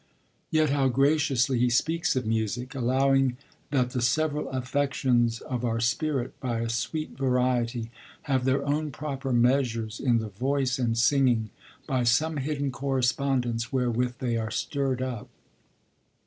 Yet how graciously he speaks of music, allowing 'that the several affections of our spirit, by a sweet variety, have their own proper measures in the voice and singing, by some hidden correspondence wherewith they are stirred up.'